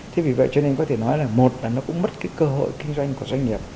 thế vì vậy cho nên có thể nói là một là nó cũng mất cái cơ hội kinh doanh của doanh nghiệp